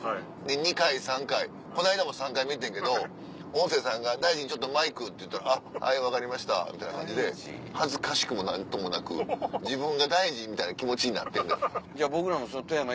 ２回３回この間も３回目行ってんけど音声さんが「大臣ちょっとマイク」って言ったら「あっはい分かりました」みたいな感じで恥ずかしくも何ともなく自分が大臣みたいな気持ちになってんのよ。